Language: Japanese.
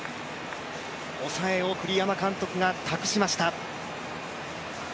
抑えを栗山監督が託しました。